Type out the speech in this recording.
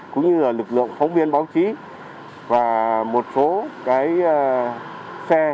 cũng như lực lượng phóng viên báo chí và một số xe